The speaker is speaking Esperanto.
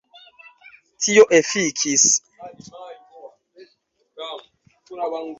Tio efikis.